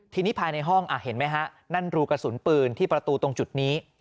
ทีนี้ภายในห้องเห็นไหมฮะนั่นรูกระสุนปืนที่ประตูตรงจุดนี้